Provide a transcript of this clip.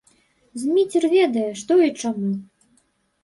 Зміцер ведае, што і чаму!